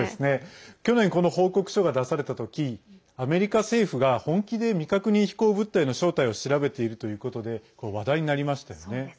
去年、この報告書が出されたときアメリカ政府が本気で未確認飛行物体の正体を調べているということで話題になりましたよね。